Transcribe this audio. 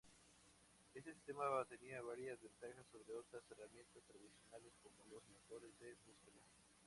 Este sistema tiene varias ventajas sobre otras herramientas tradicionales como los motores de búsqueda.